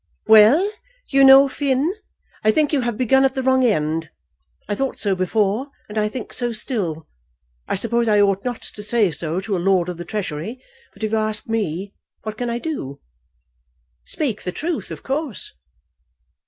"Well, you know, Mr. Finn, I think you have begun at the wrong end. I thought so before, and I think so still. I suppose I ought not to say so to a Lord of the Treasury, but if you ask me, what can I do?" "Speak the truth out, of course."